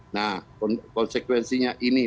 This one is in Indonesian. nah konsekuensinya ini